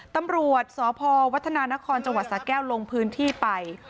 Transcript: ตำรวจสพวัฒนานครจแก้วลงพื้นที่ไป